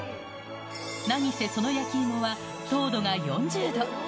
何せその焼き芋は糖度が４０度。